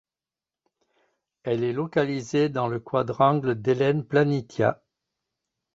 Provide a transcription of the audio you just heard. Elle est localisée dans le quadrangle d'Helen Planitia.